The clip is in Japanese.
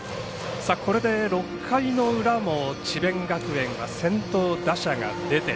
これで６回の裏も智弁学園は先頭打者が出て。